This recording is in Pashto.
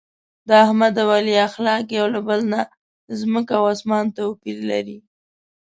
د احمد او علي اخلاق یو له بل نه ځمکه او اسمان توپیر لري.